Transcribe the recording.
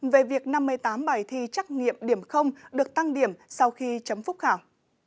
về việc năm mươi tám bài thi trắc nghiệm điểm được tăng điểm sau khi chấm phúc khảo